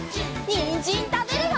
にんじんたべるよ！